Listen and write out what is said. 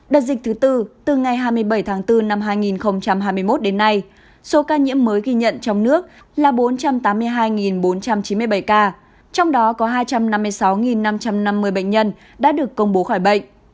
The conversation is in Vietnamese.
đợt dịch thứ tư từ ngày hai mươi bảy tháng bốn năm hai nghìn hai mươi một đến nay số ca nhiễm mới ghi nhận trong nước là bốn trăm tám mươi hai bốn trăm chín mươi bảy ca trong đó có hai trăm năm mươi sáu năm trăm năm mươi bệnh nhân đã được công bố khỏi bệnh